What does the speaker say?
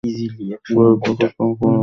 ঘড়িটাকে খুব ভালোবাসত সে।